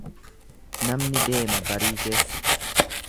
Namni deema barii keessa.